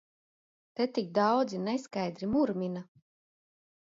Te tik daudzi neskaidri murmina!